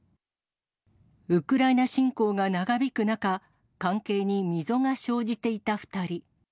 ウクライナ侵攻が長引く中、関係に溝が生じていた２人。